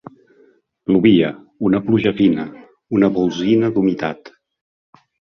Plovia: una pluja fina, una polsina d'humitat